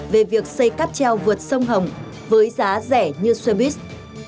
về việc xây cáp treo vượt sông hồng với giá rẻ như xe buýt